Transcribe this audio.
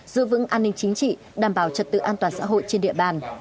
giữ vững an ninh chính trị đảm bảo trật tự an toàn xã hội trên địa bàn